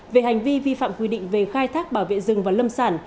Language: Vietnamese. về hành vi vi phạm quy định về khai thác bảo vệ rừng và lâm sản